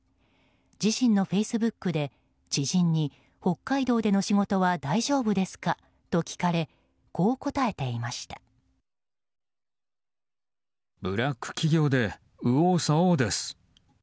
自身のフェイスブックで、知人に北海道での仕事は大丈夫ですかと聞かれブラック企業で右往左往です。